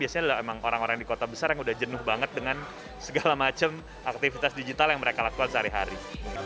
biasanya emang orang orang di kota besar yang udah jenuh banget dengan segala macam aktivitas digital yang mereka lakukan sehari hari